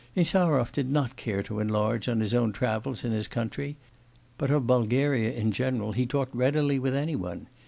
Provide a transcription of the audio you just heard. Insarov did not care to enlarge on his own travels in his country; but of Bulgaria in general he talked readily with any one.